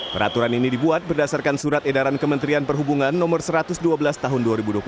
peraturan ini dibuat berdasarkan surat edaran kementerian perhubungan no satu ratus dua belas tahun dua ribu dua puluh satu